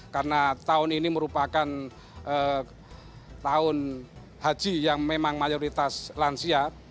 karena tahun ini merupakan tahun haji yang memang mayoritas lansia